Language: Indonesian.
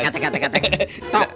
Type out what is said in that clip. ya ini lahan dia